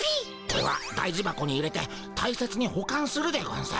これは大事箱に入れてたいせつにほかんするでゴンス。